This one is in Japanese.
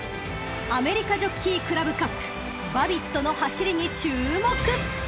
［アメリカジョッキークラブカップバビットの走りに注目！］